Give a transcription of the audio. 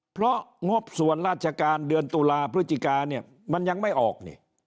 เพราะงบส่วนราชการเดือนตุลาพฤศจิกาเนี่ยมันยังไม่ออก